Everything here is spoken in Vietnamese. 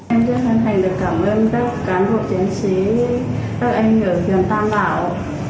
em rất hân hạnh được cảm ơn các cán bộ chiến sĩ các anh ở huyện tam đảo